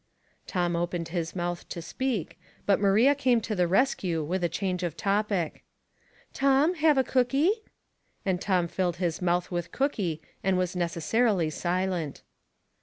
Tom opened his mouth to speak, but Maria came to the rescue with a change of topic. " Tom, have a cookie ?" And Tom filled hia mouth with cookie, and was necessarily silent.